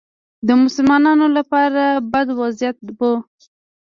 د مسلمانانو لپاره بد وضعیت و